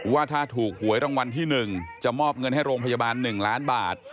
ว่าถ้าถูกหวยรางวัลที่๑จะมอบเงินให้โรงพยาบาล๑ล้านบาท